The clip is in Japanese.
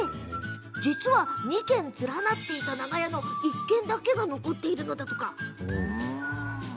実は、２軒連なっていた長屋の１軒だけが残っているんです。